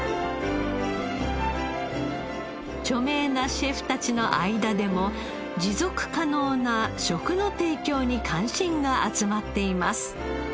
著名なシェフたちの間でも持続可能な食の提供に関心が集まっています。